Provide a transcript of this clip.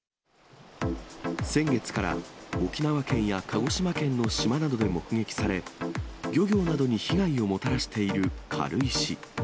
先月から沖縄県や鹿児島県の島などで目撃され、漁業などに被害をもたらしている軽石。